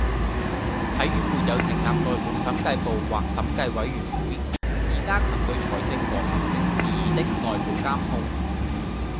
體院沒有成立內部審計部或審計委員會以加強對財政和行政事宜的內部監控